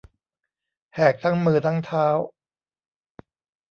แหกทั้งมือทั้งเท้า